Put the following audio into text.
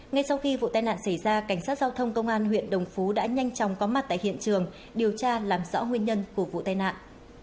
ngay sau khi vụ tai nạn xảy ra cảnh sát giao thông công an huyện đồng phú đã nhanh chóng có mặt tại hiện trường điều tra làm rõ nguyên nhân của vụ tai nạn